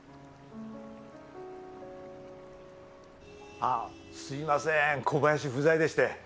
ああすいません小林不在でして。